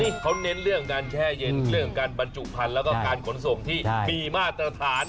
นี่เขาเน้นเรื่องการแช่เย็นเรื่องการบรรจุพันธุ์แล้วก็การขนส่งที่มีมาตรฐาน